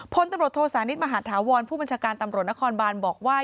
พลตำรวจโทษานิทมหาธาวรผู้บัญชาการตำรวจนครบานบอกว่า